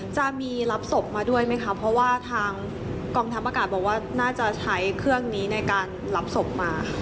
จะมีรับศพมาด้วยไหมคะเพราะว่าทางกองทัพอากาศบอกว่าน่าจะใช้เครื่องนี้ในการรับศพมา